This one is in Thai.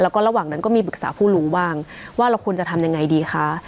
แล้วก็ระหว่างนั้นก็มีปรึกษาผู้รู้บ้างว่าเราควรจะทำยังไงดีคะ